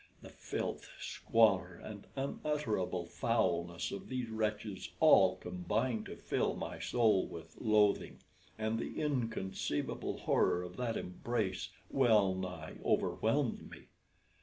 The filth, squalor, and unutterable foulness of these wretches all combined to fill my soul with loathing, and the inconceivable horror of that embrace wellnigh overwhelmed me.